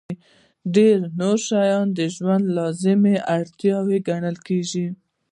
ډېر نور شیان د ژوند لازمي اړتیاوې ګڼل کېږي.